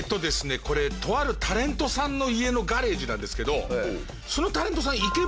これとあるタレントさんの家のガレージなんですけどそのタレントさん池袋